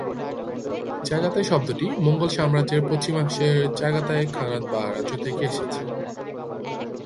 Chagatai শব্দটি Mongol সাম্রাজ্যের পশ্চিমাংশের চাগাতাই খানাত বা রাজ্য থেকে এসেছে।